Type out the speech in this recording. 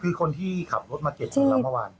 คือคนที่ขับรถมาเก็บชนเราเมื่อวาน